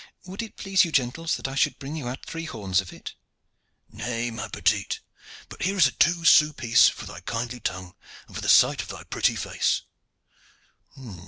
"Would it please you, gentles, that I should bring you out three horns of it?" "Nay, ma petite, but here is a two sous piece for thy kindly tongue and for the sight of thy pretty face.